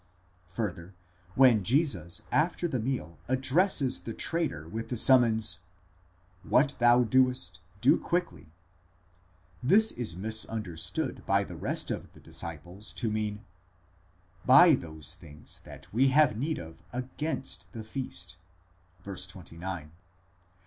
Further, when Jesus after the meal addresses the traitor with the summons, what thou doest, do quickly, this is misunderstood by the rest of the disciples to mean, Buy those things that we have need of against the feast, eis τὴν ἑορτήν (v. 29).